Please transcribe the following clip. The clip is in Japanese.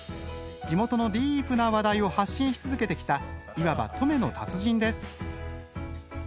地元のディープな話題を発信し続けてきたいわば登米の達人です。